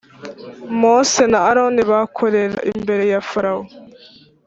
Mose na Aroni bakorera imbere ya Farawo